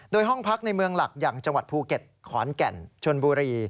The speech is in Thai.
โดยห้องพักในเมืองหลักอย่างจังหวัดภูเก็ตขอนแก่นชนบุรี